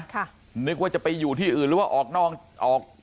นึกว่าจะไปอยู่ที่อื่นหรือว่าออกนอกออก